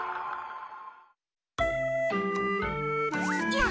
や！